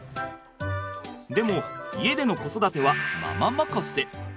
でも家での子育てはママ任せ。